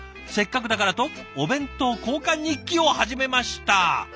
せっかくだからとお弁当交換日記を始めました」。